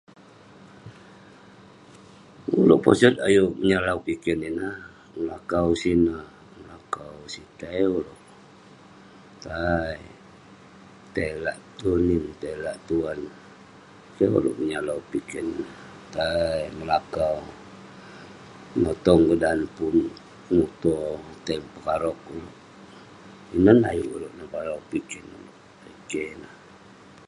Ulouk posot ayuk menyalau piken neh, melakau sineh, melakau sitey ulouk..tai..tai lak gunung, tai lak tuan, keh ulouk menyalau piken, tai melakau..menotong dan pun muto, tey pekarok, inen neh ayuk ulouk mevalau piken..eh keh ineh